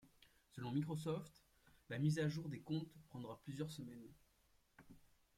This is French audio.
Selon Microsoft, la mise à jour des comptes prendra plusieurs semaines.